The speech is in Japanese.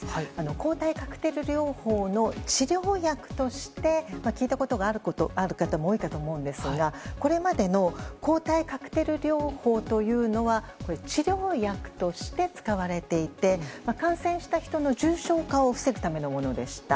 抗体カクテル療法の治療薬として聞いたことがある方も多いかと思うんですがこれまでの抗体カクテル療法というのは治療薬として使われていて感染した人の重症化を防ぐためのものでした。